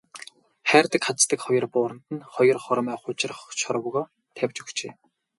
Хайрдаг хаздаг хоёр бууранд нь хоёр хормой хужир шорвогоо тавьж өгчээ.